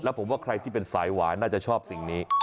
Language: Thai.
ผมว่าใครที่เป็นสายหวานน่าจะชอบสิ่งนี้